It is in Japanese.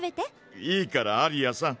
いいからアリアさん食べて。